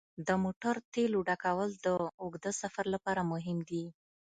د موټر تیلو ډکول د اوږده سفر لپاره مهم دي.